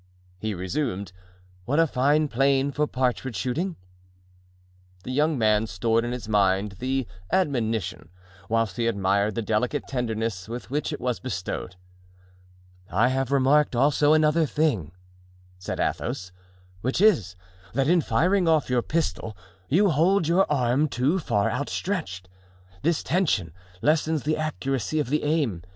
he resumed; "what a fine plain for partridge shooting." The young man stored in his mind the admonition whilst he admired the delicate tenderness with which it was bestowed. "I have remarked also another thing," said Athos, "which is, that in firing off your pistol you hold your arm too far outstretched. This tension lessens the accuracy of the aim.